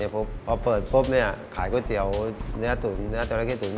พอเปิดขายก๋วยเตี๋ยวน้้าตู๋น๔๐บาทขึ้น